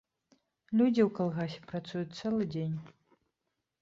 Людзі ў калгасе працуюць цэлы дзень.